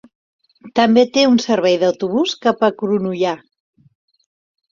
També té un servei d'autobús cap a Cronulla.